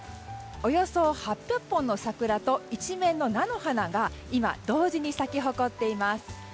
およそ８００本の桜と一面の菜の花が今、同時に咲きほこっています。